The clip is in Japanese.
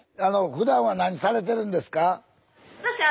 ふだんは何されてるんですか？